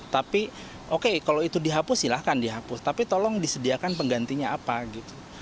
tapi oke kalau itu dihapus silahkan dihapus tapi tolong disediakan penggantinya apa gitu